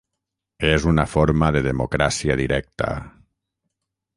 És una forma de democràcia directa.